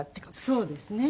そうですね。